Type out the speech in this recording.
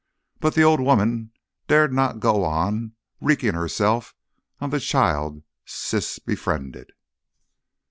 But the old woman dared not go on wreaking herself on the child Siss befriended.